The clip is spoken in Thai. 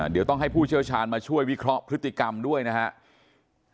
เดี๋ยวต้องให้ผู้เชี่ยวชาญมาช่วยวิเคราะห์พฤติกรรมด้วยนะครับ